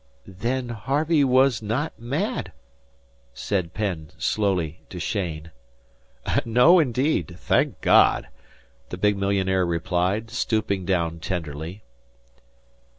"Then Harvey was not mad," said Penn, slowly, to Cheyne. "No, indeed thank God," the big millionaire replied, stooping down tenderly.